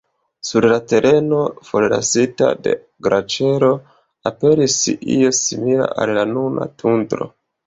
Sur la tereno forlasita de glaĉero aperis io simila al nuna tundro.